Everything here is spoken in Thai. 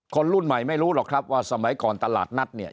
คนรุ่นใหม่ไม่รู้หรอกครับว่าสมัยก่อนตลาดนัดเนี่ย